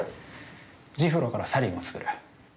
ジフロからサリンを造る。